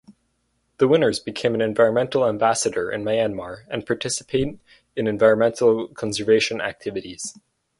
The winners become an Environmental Ambassador in Myanmar and participate in environmental conservation activities.